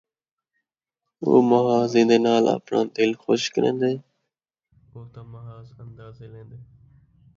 او محض اِیندے نال آپڑاں دِل خوش کریندن، او تاں محض اندازے لیندن ۔